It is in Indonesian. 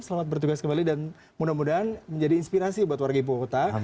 selamat bertugas kembali dan mudah mudahan menjadi inspirasi buat warga ibu kota